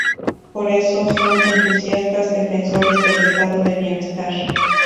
Por eso son entusiastas defensores del Estado de bienestar.